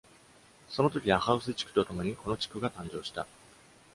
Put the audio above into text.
そのとき、アハウス地区とともにこの地区が誕生した。